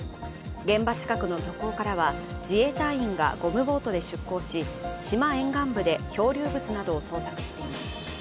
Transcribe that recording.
現場近くの漁港からは自衛隊員がゴムボートで出港し島沿岸部で漂流物などを捜索しています。